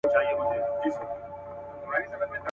چي به خبره د پښتو چي د غیرت به سوله.